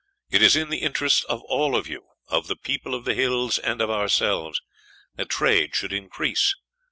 It is the interest of all of you, of the people of the hills, and of ourselves, that trade should increase.